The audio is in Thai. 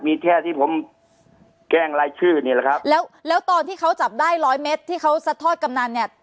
มีแค่ที่ผมแกล้งรายชื่อนี่แหละครับแล้วแล้วตอนที่เขาจับได้ร้อยเม็ดที่เขาซัดทอดกำนันเนี่ย